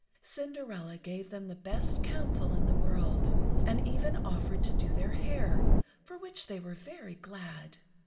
Cinderella gave them the best counsel in the world, and even offered to do their hair, for which they were very glad.